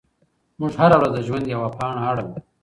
موږ هره ورځ د ژوند یوه پاڼه اړوو.